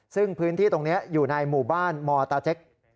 ซึ่งพื้นที่ตรงนี้อยู่ในหมู่บ้านมตาเจ๊ก